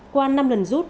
qua năm lần rút